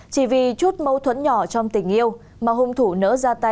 chỉ vì chút mâu thuẫn nhỏ trong tình yêu mà hung thủ nỡ ra tay